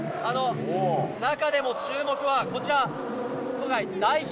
中でも注目はこちら、代表